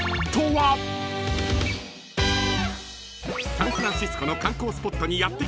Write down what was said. ［サンフランシスコの観光スポットにやって来た３人］